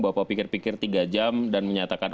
bapak pikir pikir tiga jam dan menyatakan